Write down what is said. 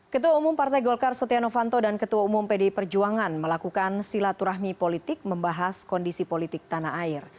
ketua umum partai golkar setia novanto dan ketua umum pdi perjuangan melakukan silaturahmi politik membahas kondisi politik tanah air